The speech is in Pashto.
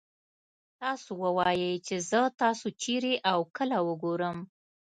تاسو ووايئ چې زه تاسو چېرې او کله وګورم.